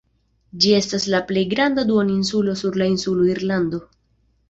Ĝi estas la plej granda duoninsulo sur la insulo Irlando.